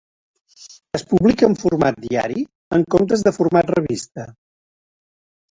Es publica en format diari, en comptes de format revista.